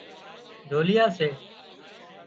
ڍوليئا سي